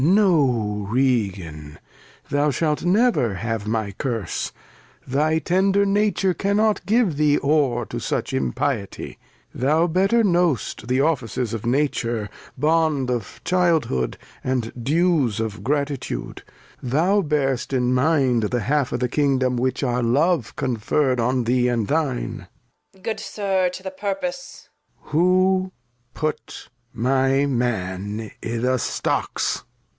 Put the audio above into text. No, Regan, Thou shalt never have my Curse, Thy tender Nature cannot give thee o're To such Impiety ; Thou better know'st The Offices of Nature, Bond of Child hood, And Dues of Gratitude ; thou bear'st in Mind The Half o'th' Kingdom, which our Love conferr'd On thee and thine. Reg. Good Sir, to th' Purpose. Lear. Who put my Man i'th' Stocks